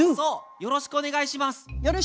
よろしくお願いします。